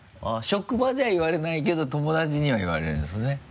職場では言われないけど友達には言われるんですね。